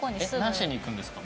何しに行くんですか？